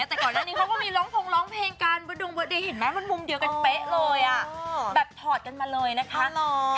แต่ก่อนนั้นเขาก็มีร้องโพงร้องเพลงก่อนเวอร์เดยนเห็นมั้ยมันมุมเดียวกันเป๊ะเลยอะโอ่แบบถอดกันมาเลยนะคะอาละ